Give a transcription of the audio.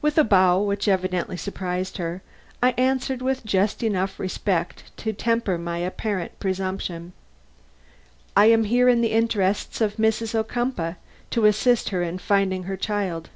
With a bow which evidently surprised her, I answered with just enough respect to temper my apparent presumption: "I am here in the interests of Mrs. Ocumpaugh, to assist her in finding her child.